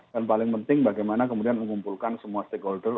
dan paling penting bagaimana kemudian mengumpulkan semua stakeholder